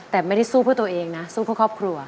แต่ไม่ได้สู้เพื่อตัวเองนะสู้เพื่อครอบครัว